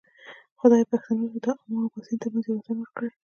خدای پښتنو ته د آمو او باسین ترمنځ یو وطن ورکړی.